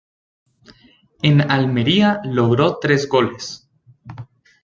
En Almería logró tres goles.